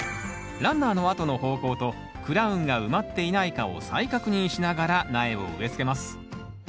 ランナーの跡の方向とクラウンが埋まっていないかを再確認しながら苗を植えつけます。